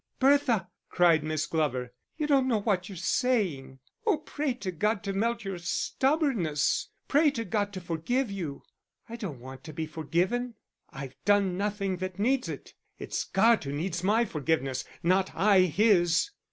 "Bertha," cried Miss Glover. "You don't know what you're saying. Oh, pray to God to melt your stubbornness; pray to God to forgive you." "I don't want to be forgiven. I've done nothing that needs it. It's God who needs my forgiveness not I His."